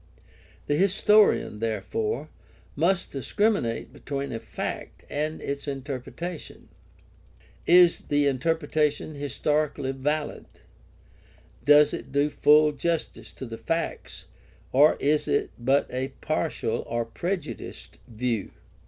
The historian, therefore, must discriminate between a fact and its inter pretation. Is the interpretation historically valid ? Does it do full justice to the facts, or is it but a partial or prejudiced view